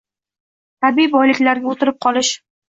Tabiiy boyliklarga «o‘tirib qolish»